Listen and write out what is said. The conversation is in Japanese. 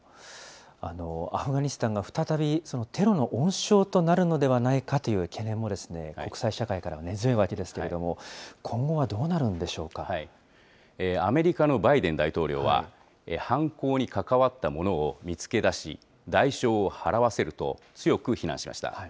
アフガニスタンが再びテロの温床となるのではないかという懸念も国際社会からは根強いわけですけれども、今後はどうなるんでアメリカのバイデン大統領は、犯行に関わった者を見つけ出し、代償を払わせると強く非難しました。